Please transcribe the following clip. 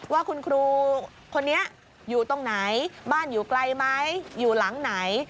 ว่าคุณครูคนนี้อยู่ตรงไหนบ้านอยู่ไกลไหมอยู่หลังไหน